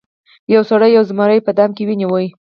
یو سړي یو زمری په دام کې ونیو.